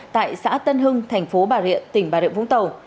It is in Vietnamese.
tại xã tân hưng thành phố bà rịa tỉnh bà rệ vũng tàu